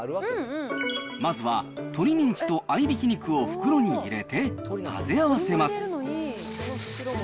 まずは鶏ミンチと合いびき肉を袋に入れて混ぜ合わせます。